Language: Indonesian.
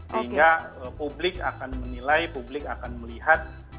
sehingga publik akan menilai publik akan melihat